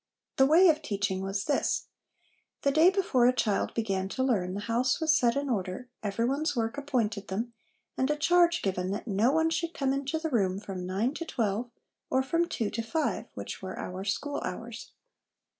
The way of teaching was this : the day before a child began to learn, the house was set in order, every one's work appointed them, and a charge given that no one should come into the room from nine to twelve, or from two to five, which were our school hours.